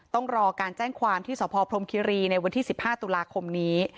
ต้องรอการแจ้งความที่สพพรมคิรีในวันที่๑๕ตุลาคมนี้